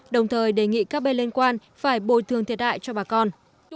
đồng thời đề nghị các bên liên quan phải bồi thường thiệt hại cho bà con